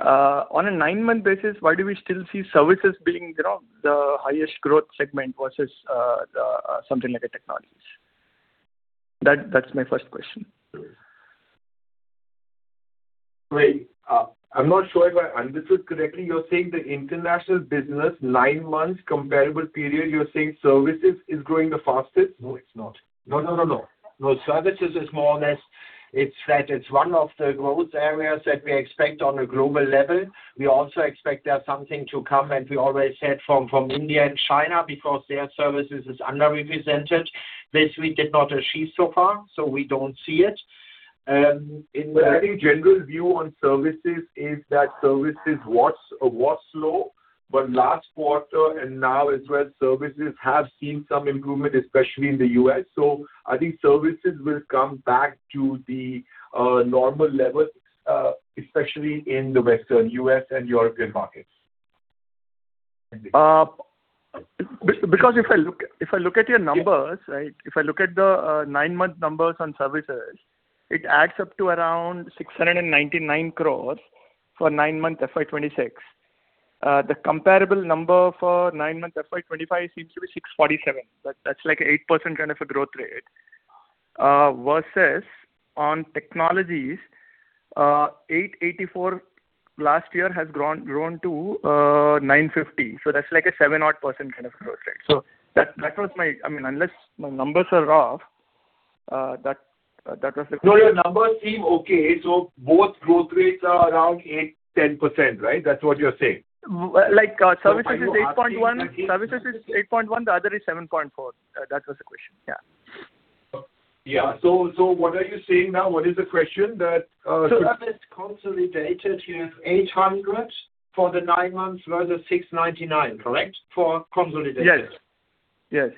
on a nine-month basis, why do we still see services being the highest growth segment versus something like technologies? That's my first question. Wait. I'm not sure if I understood correctly. You're saying the international business, nine months, comparable period, you're saying services is growing the fastest? No, it's not. No, no, no, no. No, services is more or less, it's that it's one of the growth areas that we expect on a global level. We also expect there's something to come. And we always said from India and China because their services is underrepresented. This we did not achieve so far. So we don't see it. I think general view on services is that services was slow, but last quarter and now as well, services have seen some improvement, especially in the U.S. I think services will come back to the normal level, especially in the Western U.S. and European markets. Because if I look at your numbers, right, if I look at the nine-month numbers on services, it adds up to around 699 crore for nine-month FY26. The comparable number for nine-month FY25 seems to be 647 crore. That's like an 8% kind of a growth rate. Versus on technologies, 884 crore last year has grown to 950 crore. So that's like a 7-odd% kind of a growth rate. So that was my I mean, unless my numbers are off, that was the. No, your numbers seem okay. So both growth rates are around 8%-10%, right? That's what you're saying. Services is 8.1. Services is 8.1. The other is 7.4. That was the question. Yeah. Yeah. So what are you saying now? What is the question that? Service consolidated, you have 800 for the nine months versus 699, correct? For consolidated. Yes. Yes.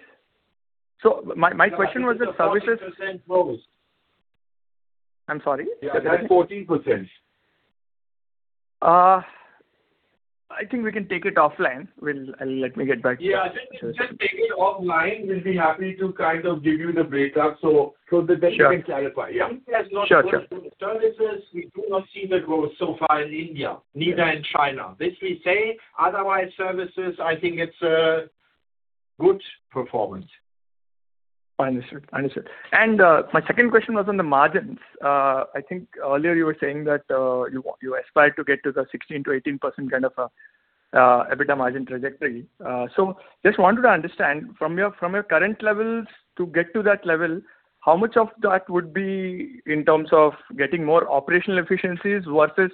So my question was that services. 14% growth. I'm sorry? Yeah. 14%. I think we can take it offline. Let me get back to. Yeah. I think just take it offline. We'll be happy to kind of give you the breakup so that you can clarify. Yeah. Services, we do not see the growth so far in India, neither in China. This we say. Otherwise, services, I think it's a good performance. Understood. Understood. My second question was on the margins. I think earlier you were saying that you aspired to get to the 16%-18% kind of EBITDA margin trajectory. Just wanted to understand, from your current levels to get to that level, how much of that would be in terms of getting more operational efficiencies versus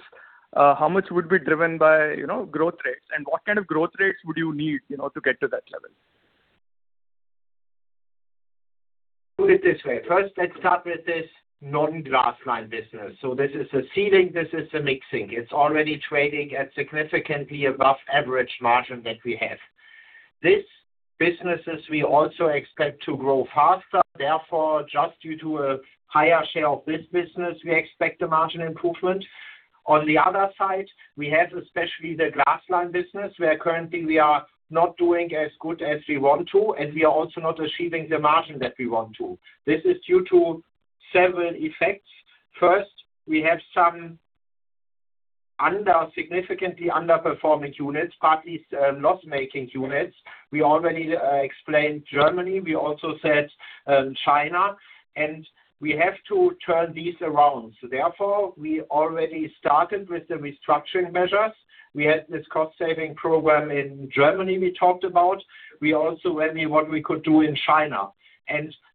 how much would be driven by growth rates? And what kind of growth rates would you need to get to that level? Do it this way. First, let's start with this non-glass-lined business. This is the sealing. This is the mixing. It's already trading at significantly above average margin that we have. These businesses, we also expect to grow faster. Therefore, just due to a higher share of this business, we expect a margin improvement. On the other side, we have especially the glass-lined business where currently, we are not doing as good as we want to, and we are also not achieving the margin that we want to. This is due to several effects. First, we have some significantly underperforming units, partly loss-making units. We already explained Germany. We also said China. We have to turn these around. Therefore, we already started with the restructuring measures. We had this cost-saving program in Germany we talked about. We also went with what we could do in China.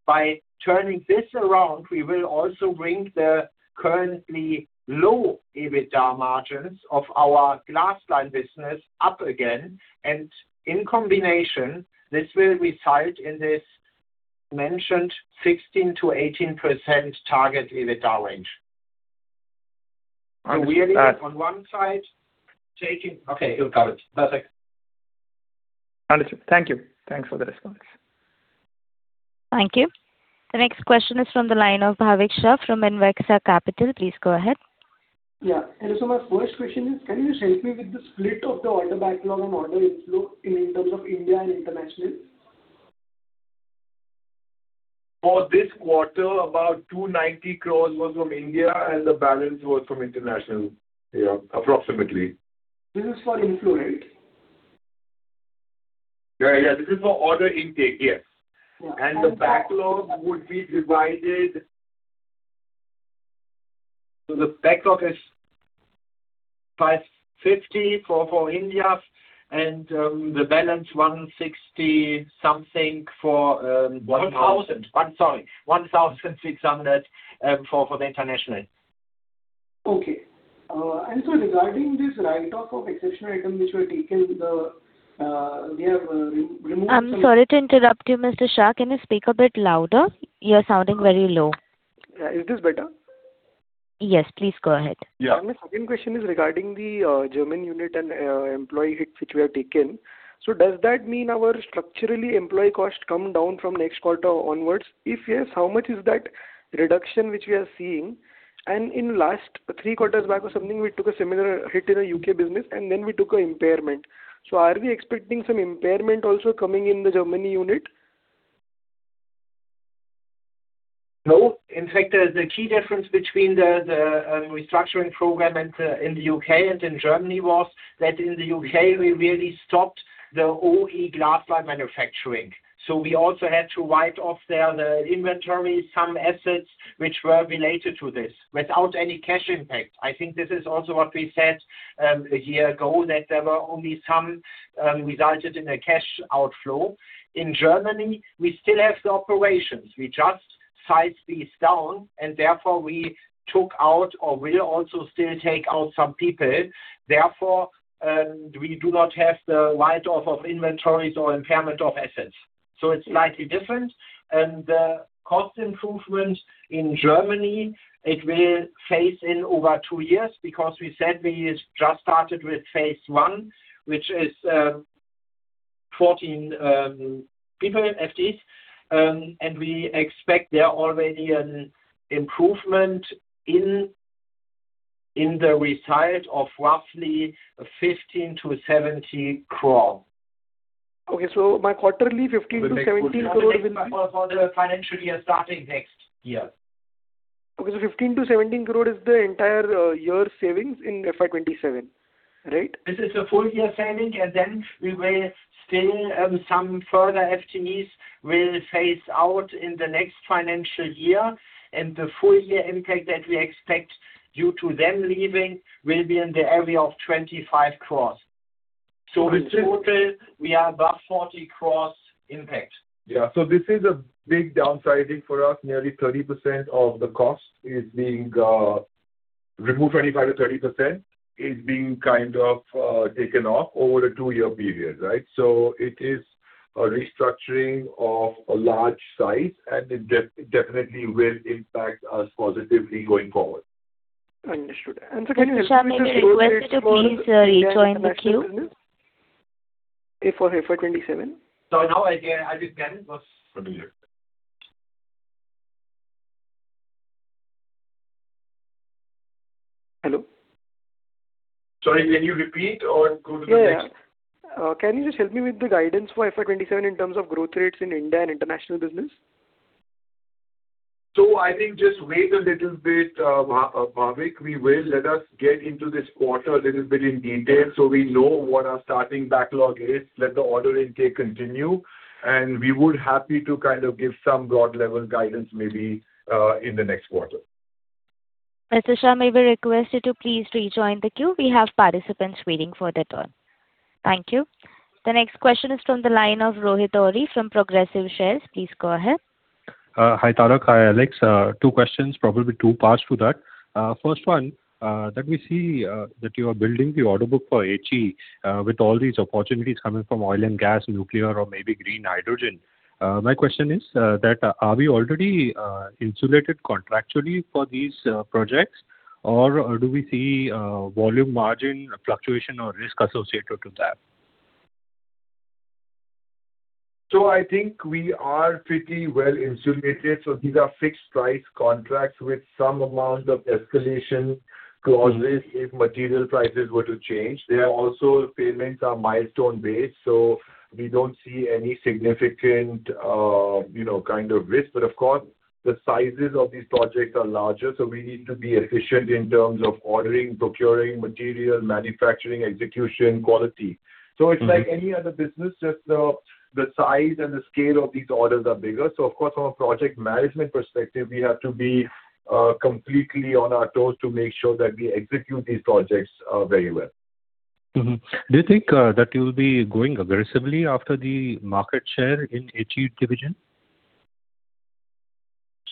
By turning this around, we will also bring the currently low EBITDA margins of our glass-lined business up again. In combination, this will result in this mentioned 16%-18% target EBITDA range. So really, on one side, taking okay. You've got it. Perfect. Understood. Thank you. Thanks for the response. Thank you. The next question is from the line of Bhavik Shah from Invexa Capital. Please go ahead. Yeah. My first question is, can you just help me with the split of the order backlog and order inflow in terms of India and international? For this quarter, about 290 crore was from India, and the balance was from international, approximately. This is for inflow, right? Yeah. Yeah. This is for order intake. Yes. The backlog would be divided so the backlog is 550 for India and the balance 160-something for. 1,000. Sorry, 1,600 for the international. Okay. Regarding this write-off of exceptional items which were taken, we have removed some. I'm sorry to interrupt you, Mr. Shah. Can you speak a bit louder? You're sounding very low. Yeah. Is this better? Yes. Please go ahead. Yeah. My second question is regarding the German unit and employee hit which we have taken. So does that mean our structurally employee cost come down from next quarter onwards? If yes, how much is that reduction which we are seeing? And in last three quarters back or something, we took a similar hit in the UK business, and then we took an impairment. So are we expecting some impairment also coming in the Germany unit? No. In fact, the key difference between the restructuring program in the U.K. and in Germany was that in the U.K., we really stopped the OE glass-lined manufacturing. So we also had to write off there the inventory, some assets which were related to this without any cash impact. I think this is also what we said a year ago that there were only some resulted in a cash outflow. In Germany, we still have the operations. We just sized these down, and therefore, we took out or will also still take out some people. Therefore, we do not have the write-off of inventories or impairment of assets. So it's slightly different. The cost improvement in Germany, it will phase in over two years because we said we just started with phase one, which is 14 people, FDs. We expect there already an improvement in the result of roughly 15-70 crore. Okay. So my quarterly, 15 crore-17 crore will be. For the financial year starting next year. Okay. So 15 crore-17 crore is the entire year's savings in FY27, right? This is a full-year saving. Then we will still some further FTEs will phase out in the next financial year. And the full-year impact that we expect due to them leaving will be in the area of 25 crores. So in total, we are above 40 crores impact. Yeah. So this is a big downsizing for us. Nearly 30% of the cost is being removed. 25%-30% is being kind of taken off over a two-year period, right? So it is a restructuring of a large size, and it definitely will impact us positively going forward. Understood. And so can you help me? Mr. Shah, may we request you to please rejoin the queue? For FY27? Sorry. Now, I didn't get it. It was familiar. Hello? Sorry. Can you repeat or go to the next? Yeah. Can you just help me with the guidance for FY27 in terms of growth rates in India and international business? I think just wait a little bit, Bhavik. We will. Let us get into this quarter a little bit in detail so we know what our starting backlog is. Let the order intake continue. We would be happy to kind of give some broad-level guidance maybe in the next quarter. Mr. Shah, may we request you to please rejoin the queue? We have participants waiting for their turn. Thank you. The next question is from the line of Rohit Ohri from Progressive Shares. Please go ahead. Hi, Tarak. Hi, Alex. Two questions, probably two parts to that. First one, that we see that you are building the order book for HE with all these opportunities coming from oil and gas, nuclear, or maybe green hydrogen. My question is that are we already insulated contractually for these projects, or do we see volume margin fluctuation or risk associated to that? I think we are pretty well insulated. These are fixed-price contracts with some amount of escalation clauses if material prices were to change. Also, payments are milestone-based, so we don't see any significant kind of risk. Of course, the sizes of these projects are larger, so we need to be efficient in terms of ordering, procuring material, manufacturing, execution, quality. It's like any other business, just the size and the scale of these orders are bigger. Of course, from a project management perspective, we have to be completely on our toes to make sure that we execute these projects very well. Do you think that you'll be going aggressively after the market share in HE division?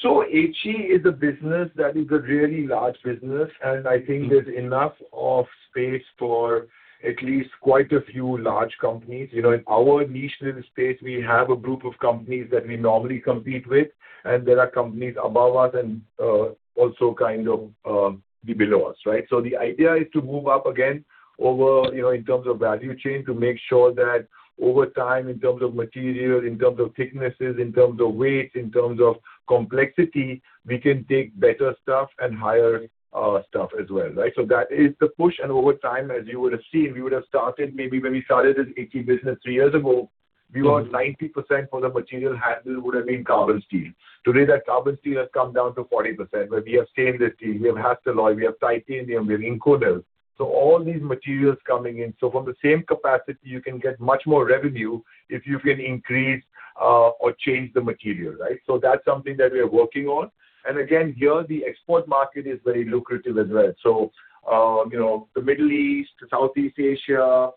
So HE is a business that is a really large business, and I think there's enough space for at least quite a few large companies. In our niche little space, we have a group of companies that we normally compete with, and there are companies above us and also kind of below us, right? So the idea is to move up again in terms of value chain to make sure that over time, in terms of material, in terms of thicknesses, in terms of weights, in terms of complexity, we can take better stuff and higher stuff as well, right? So that is the push. And over time, as you would have seen, we would have started maybe when we started this HE business three years ago, we were at 90% for the material handle would have been carbon steel. Today, that carbon steel has come down to 40% where we have stainless steel. We have Hastelloy. We have titanium. We have Inconel. So all these materials coming in. So from the same capacity, you can get much more revenue if you can increase or change the material, right? So that's something that we are working on. And again, here, the export market is very lucrative as well. So the Middle East, Southeast Asia,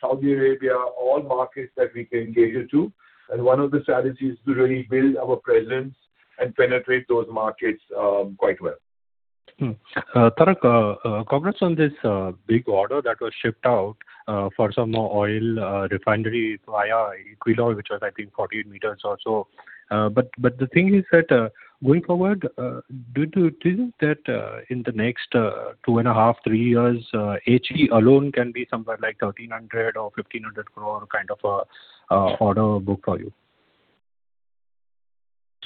Saudi Arabia, all markets that we can engage into. And one of the strategies is to really build our presence and penetrate those markets quite well. Tarak, congrats on this big order that was shipped out for some more oil refinery via Equinor, which was, I think, 48 meters or so. But the thing is that going forward, do you think that in the next 2.5-3 years, HE alone can be somewhere like 1,300 crore or 1,500 crore kind of an order book for you?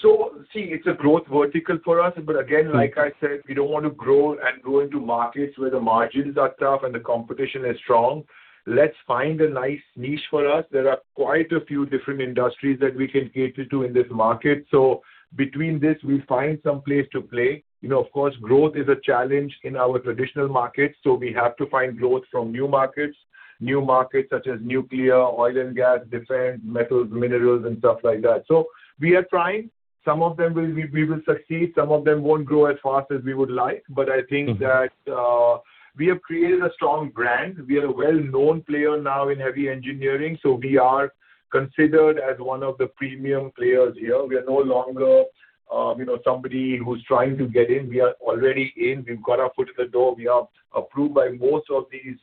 So, see, it's a growth vertical for us. But again, like I said, we don't want to grow and go into markets where the margins are tough and the competition is strong. Let's find a nice niche for us. There are quite a few different industries that we can cater to in this market. So between this, we'll find some place to play. Of course, growth is a challenge in our traditional markets, so we have to find growth from new markets, new markets such as nuclear, oil and gas, defense, metals, minerals, and stuff like that. So we are trying. Some of them, we will succeed. Some of them won't grow as fast as we would like. But I think that we have created a strong brand. We are a well-known player now in heavy engineering, so we are considered as one of the premium players here. We are no longer somebody who's trying to get in. We are already in. We've got our foot in the door. We are approved by most of these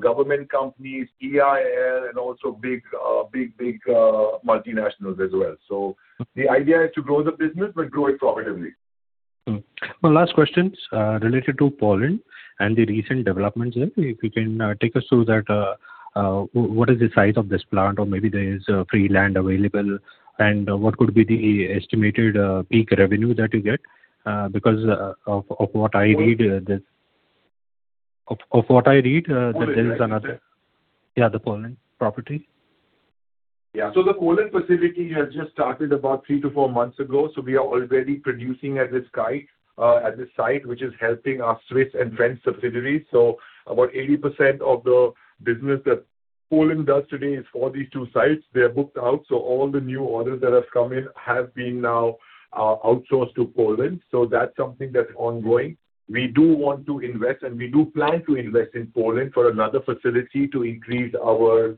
government companies, EIL, and also big, big, big multinationals as well. So the idea is to grow the business, but grow it profitably. My last question is related to Poland and the recent developments there. If you can take us through that, what is the size of this plant? Or maybe there is free land available. What could be the estimated peak revenue that you get? Because of what I read, there is another, the Poland property. Yeah. So the Poland facility, we have just started about 3-4 months ago. So we are already producing at this site, which is helping our Swiss and French subsidiaries. So about 80% of the business that Poland does today is for these two sites. They are booked out. So all the new orders that have come in have been now outsourced to Poland. So that's something that's ongoing. We do want to invest, and we do plan to invest in Poland for another facility to increase our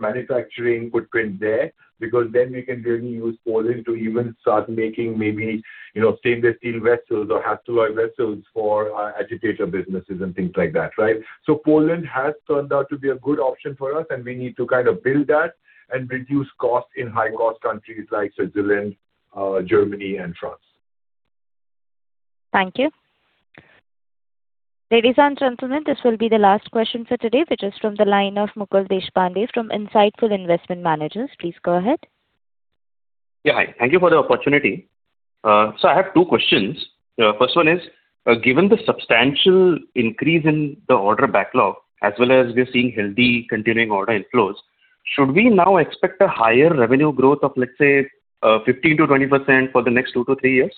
manufacturing footprint there because then we can really use Poland to even start making maybe stainless steel vessels or Hastelloy vessels for agitator businesses and things like that, right? So Poland has turned out to be a good option for us, and we need to kind of build that and reduce costs in high-cost countries like Switzerland, Germany, and France. Thank you. Ladies and gentlemen, this will be the last question for today, which is from the line of Mukul Deshpande from Insightful Investment Managers. Please go ahead. Yeah. Hi. Thank you for the opportunity. So I have two questions. First one is, given the substantial increase in the order backlog as well as we're seeing healthy continuing order inflows, should we now expect a higher revenue growth of, let's say, 15%-20% for the next two to three years?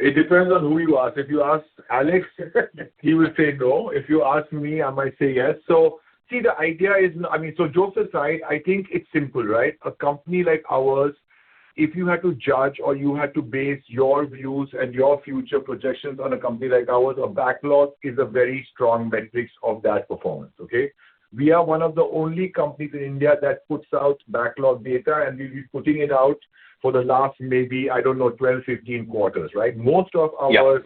It depends on who you ask. If you ask Alex, he will say no. If you ask me, I might say yes. So see, the idea is I mean, so Joseph's right. I think it's simple, right? A company like ours, if you had to judge or you had to base your views and your future projections on a company like ours, a backlog is a very strong metric of that performance, okay? We are one of the only companies in India that puts out backlog data, and we'll be putting it out for the last maybe, I don't know, 12, 15 quarters, right? Most of our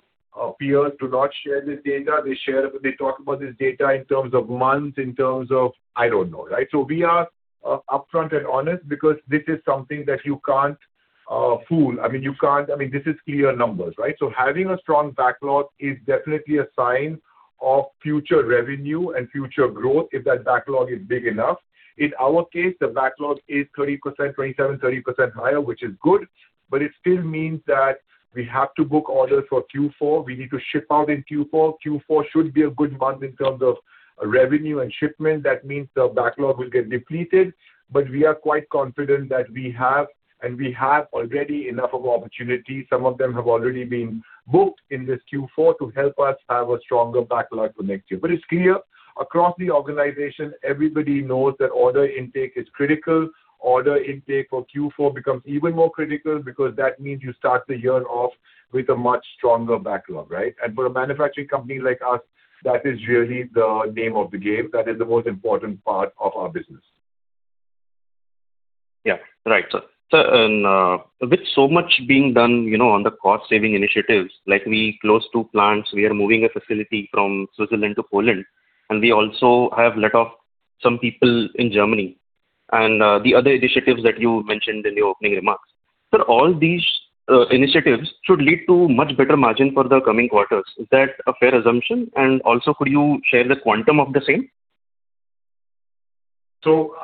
peers do not share this data. They talk about this data in terms of months, in terms of I don't know, right? So we are upfront and honest because this is something that you can't fool. I mean, you can't I mean, this is clear numbers, right? So having a strong backlog is definitely a sign of future revenue and future growth if that backlog is big enough. In our case, the backlog is 30%, 27%, 30% higher, which is good. But it still means that we have to book orders for Q4. We need to ship out in Q4. Q4 should be a good month in terms of revenue and shipment. That means the backlog will get depleted. But we are quite confident that we have, and we have already enough of opportunities. Some of them have already been booked in this Q4 to help us have a stronger backlog for next year. But it's clear, across the organization, everybody knows that order intake is critical. Order intake for Q4 becomes even more critical because that means you start the year off with a much stronger backlog, right? For a manufacturing company like us, that is really the name of the game. That is the most important part of our business. Yeah. Right. And with so much being done on the cost-saving initiatives, like we closed 2 plants, we are moving a facility from Switzerland to Poland, and we also have let off some people in Germany. And the other initiatives that you mentioned in your opening remarks, that all these initiatives should lead to much better margin for the coming quarters. Is that a fair assumption? And also, could you share the quantum of the same? So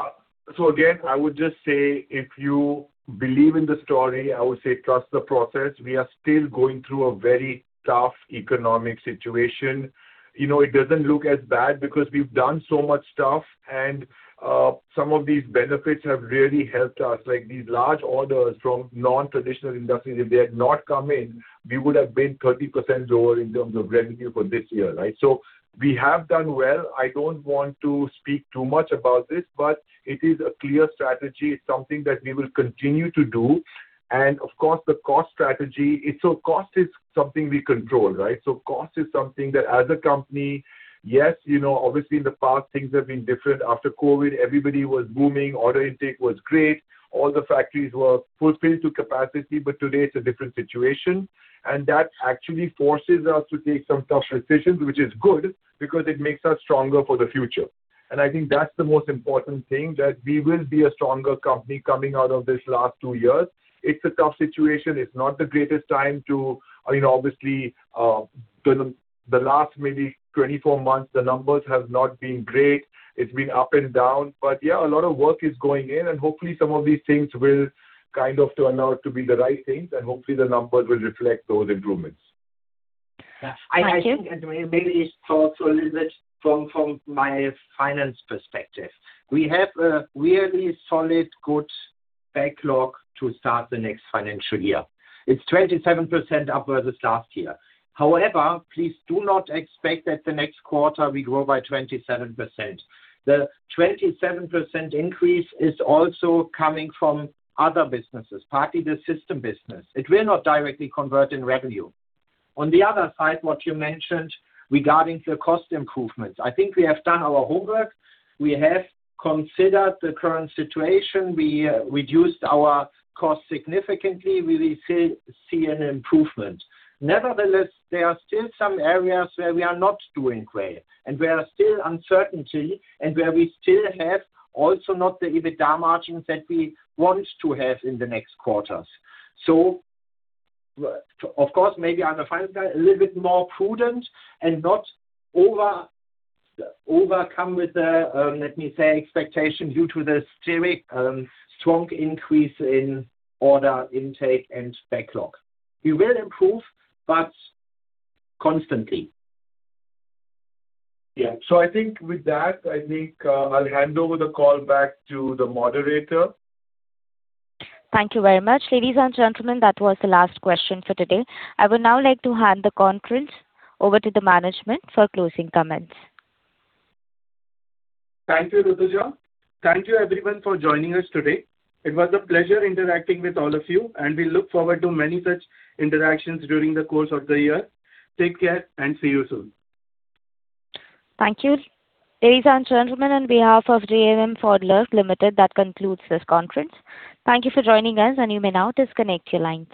again, I would just say if you believe in the story, I would say trust the process. We are still going through a very tough economic situation. It doesn't look as bad because we've done so much stuff, and some of these benefits have really helped us. These large orders from non-traditional industries, if they had not come in, we would have been 30% lower in terms of revenue for this year, right? So we have done well. I don't want to speak too much about this, but it is a clear strategy. It's something that we will continue to do. And of course, the cost strategy so cost is something we control, right? So cost is something that as a company, yes, obviously, in the past, things have been different. After COVID, everybody was booming. Order intake was great. All the factories were fulfilled to capacity. But today, it's a different situation. And that actually forces us to take some tough decisions, which is good because it makes us stronger for the future. And I think that's the most important thing, that we will be a stronger company coming out of this last two years. It's a tough situation. It's not the greatest time, obviously, the last maybe 24 months, the numbers have not been great. It's been up and down. But yeah, a lot of work is going in. And hopefully, some of these things will kind of turn out to be the right things. And hopefully, the numbers will reflect those improvements. Thank you. And maybe just also a little bit from my finance perspective. We have a really solid, good backlog to start the next financial year. It's 27% up versus last year. However, please do not expect that the next quarter, we grow by 27%. The 27% increase is also coming from other businesses, partly the system business. It will not directly convert in revenue. On the other side, what you mentioned regarding the cost improvements, I think we have done our homework. We have considered the current situation. We reduced our cost significantly. We still see an improvement. Nevertheless, there are still some areas where we are not doing well and where there's still uncertainty and where we still have also not the EBITDA margins that we want to have in the next quarters. So, of course, maybe I'm a finance guy, a little bit more prudent and not overcome with the, let me say, expectation due to the stirring, strong increase in order intake and backlog. We will improve, but constantly. Yeah. So I think with that, I think I'll hand over the call back to the moderator. Thank you very much. Ladies and gentlemen, that was the last question for today. I would now like to hand the conference over to the management for closing comments. Thank you, Rutuja. Thank you, everyone, for joining us today. It was a pleasure interacting with all of you, and we look forward to many such interactions during the course of the year. Take care, and see you soon. Thank you. Ladies and gentlemen, on behalf of GMM Pfaudler Ltd., that concludes this conference. Thank you for joining us, and you may now disconnect your lines.